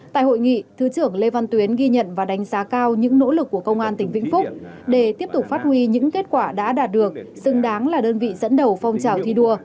tại hội nghị thứ trưởng lê văn tuyến ghi nhận và đánh giá cao những nỗ lực của công an tỉnh vĩnh phúc để tiếp tục phát huy những kết quả đã đạt được xứng đáng là đơn vị dẫn đầu phong trào thi đua